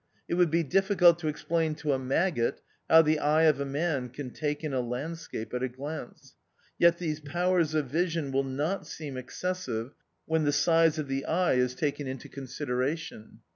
It would be difficult to ex plain to a maggot how the eye of a man can take in a landscape at a glance. Yet these powers of vision will not seem excessive when the size of the eye is taken into con 26 THE OUTCAST. sideration.